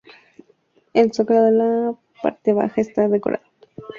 El zócalo de la parte baja está decorado con dientes de sierra.